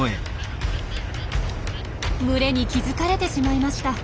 群れに気付かれてしまいました。